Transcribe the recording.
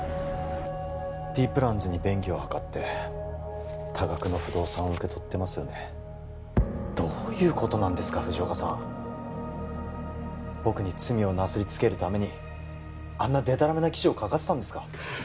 Ｄプランズに便宜を図って多額の不動産を受け取ってますよねどういうことなんですか藤岡さん僕に罪をなすりつけるためにあんなデタラメな記事を書かせたんですか？